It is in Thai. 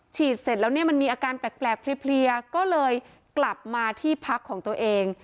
ฉีดเสร็จแล้วเนี่ยมันมีอาการแปลกเพลียก็เลยกลับมาที่พักของตัวเอง